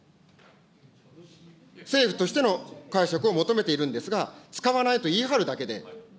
政府としての解釈を求めているんですが、使わないと言い張るだけで。